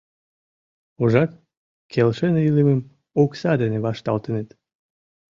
Ужат, келшен илымым окса дене вашталтеныт.